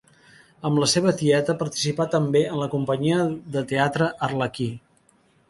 Amb la seva tieta, participa també en la companyia de teatre Arlequí.